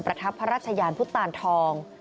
ทับพระราชยานพุทธตานทอง